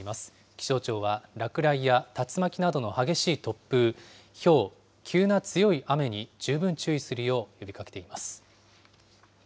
気象庁は落雷や竜巻などの激しい突風、ひょう、急な強い雨に十分注意するよう呼びかけています。